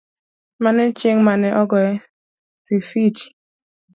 Mano e chieng' mane ogoye Sifichi.